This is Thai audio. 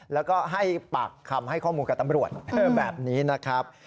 แล้วก็ให้ปากคำให้ข้อมูลกับตำรวจแบบนี้นะครับ